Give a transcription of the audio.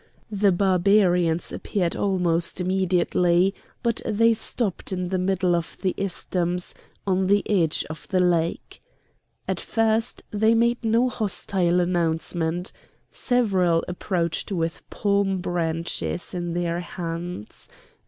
The Barbarians appeared almost immediately; but they stopped in the middle of the isthmus, on the edge of the lake. At first they made no hostile announcement. Several approached with palm branches in their hands.